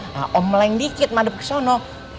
nah om lang dikit madep ke sana